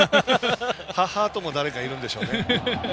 ハートも誰かいるんでしょうね。